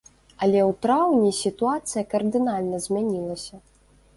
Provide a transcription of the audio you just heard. Але ў траўні сітуацыя кардынальна змянілася.